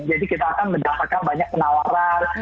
kita akan mendapatkan banyak penawaran